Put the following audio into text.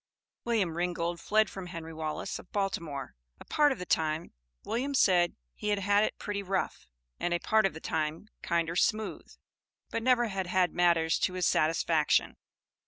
William Ringgold fled from Henry Wallace, of Baltimore. A part of the time William said he "had had it pretty rough, and a part of the time kinder smooth," but never had had matters to his satisfaction.